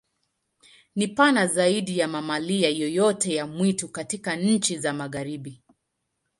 Ni pana zaidi ya mamalia yoyote ya mwitu katika nchi za Magharibi.